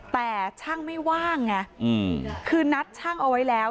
แต่ช่างไม่ว่างไงคือนัดช่างเอาไว้แล้ว